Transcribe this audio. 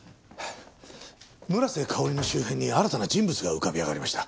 村瀬香織の周辺に新たな人物が浮かび上がりました。